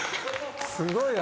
すごいな。